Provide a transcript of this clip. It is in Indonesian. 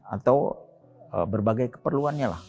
atau berbagai keperluannya